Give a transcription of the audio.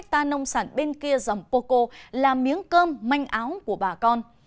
các khách ta nông sản bên kia dòng poco là miếng cơm manh áo của bà con